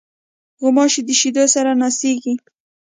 غوماشې د شیدو سره ناستېږي.